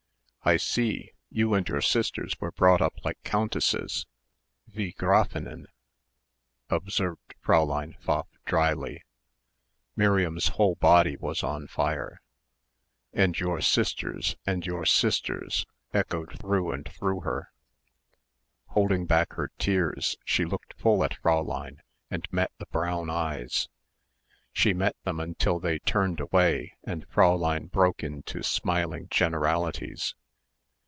"I see. You and your sisters were brought up like Countesses, wie Gräfinnen," observed Fräulein Pfaff drily. Miriam's whole body was on fire ... "and your sisters and your sisters," echoed through and through her. Holding back her tears she looked full at Fräulein and met the brown eyes. She met them until they turned away and Fräulein broke into smiling generalities.